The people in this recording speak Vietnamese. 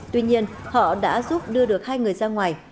tuy nhiên họ đã giúp đưa được hai người ra ngoài